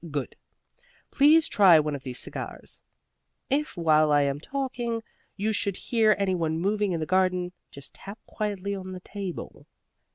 Good! Please try one of these cigars. If, while I am talking, you should hear any one moving in the garden, just tap quietly on the table.